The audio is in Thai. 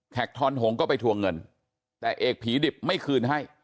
ทอนหงก็ไปทวงเงินแต่เอกผีดิบไม่คืนให้